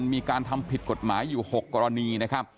มีการทำผิดกฎหมายอยู่๖กรณีนะครับ